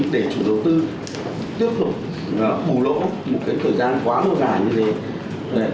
để chủ đầu tư tiếp tục bù lỗ một thời gian quá lâu dài như thế